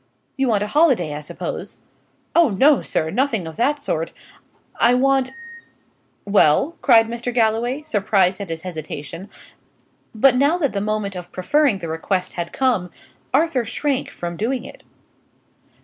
"You want a holiday, I suppose?" "Oh no, sir; nothing of that sort. I want " "Well?" cried Mr. Galloway, surprised at his hesitation; but now that the moment of preferring the request had come, Arthur shrank from doing it.